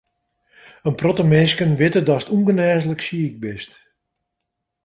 In protte minsken witte datst ûngenêslik siik bist.